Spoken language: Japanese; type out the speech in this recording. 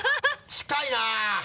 近いな！